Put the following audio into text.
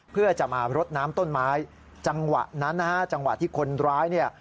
เพื่อจะมารดน้ำต้นไม้จังหวะนั้นนะฮะจังหวะที่คนร้ายเนี่ย